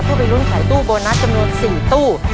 เพื่อไปลุ้นขายตู้โบนัสจำนวน๔ตู้